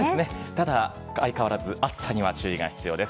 ただ、相変わらず暑さには注意が必要です。